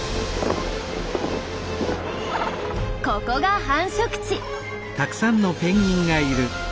ここが繁殖地。